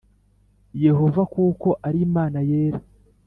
Yehova kuko ari Imana yera